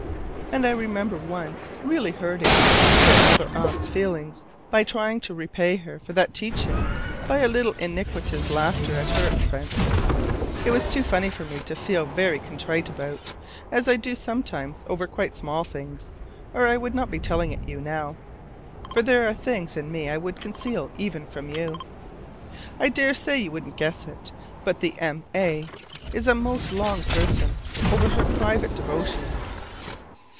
And I remember once really hurting clear Mother Aunt's feelings by trying to repay her for that teaching by a little iniquitous laughter at her expense. It was too funny for me to feel very contrite about, as I do sometimes over quite small things, or I would not be telling it you now (for there are things in me I would conceal even from you). I dare say you wouldn't guess it, but the M. A. is a most long person over her private devotions.